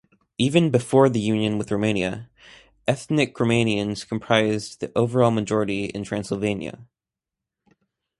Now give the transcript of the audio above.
Even before the union with Romania, ethnic Romanians comprised the overall majority in Transylvania.